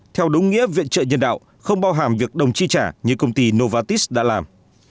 theo đúng nghĩa viện trợ nhân đạo không bao hàm việc đồng chi trả như công ty novatis đã làm